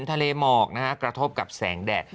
ทะเลหมอกนะฮะกระทบกับแสงแดด